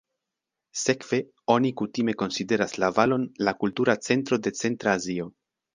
Sekve oni kutime konsideras la valon la kultura centro de Centra Azio.